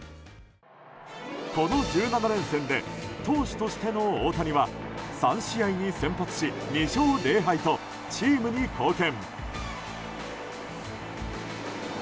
この１７連戦で投手としての大谷は３試合に先発し２勝０敗とチームに貢献。